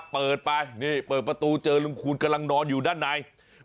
เปิดไปนี่เปิดประตูเจอลุงคูณกำลังนอนอยู่ด้านใน